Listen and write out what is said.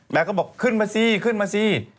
ก็บอกขึ้นมาสิขึ้นมาสิ